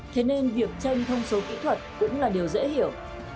thế nên việc tranh thông số kỹ thuật cũng là điều dễ hiểu